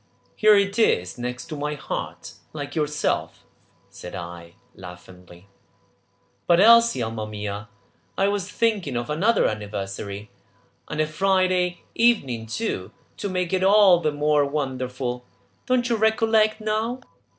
"Here it is next my heart, like yourself," said I laughingly. "But, Elsie, alma mia, I was thinking of another anniversary, and a Friday evening too, to make it all the more wonderful! Don't you recollect now?"